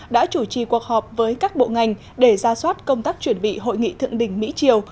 đã chủ trì cuộc họp với các bộ ngành để ra soát công tác chuẩn bị hội nghị thượng đỉnh mỹ triều